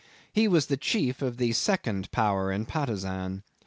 He was the chief of the second power in Patusan.